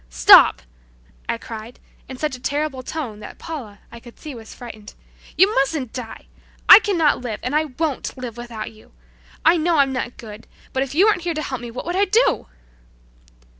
"Stop!" I cried, in such a terrible tone that Paula, I could see, was frightened. "You mustn't die! I cannot live, and I won't live without you! I know I'm not good, but if you weren't here to help me what would I do?"